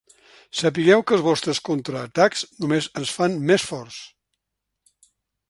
Sapigueu que els vostres contraatacs només ens fan més forts.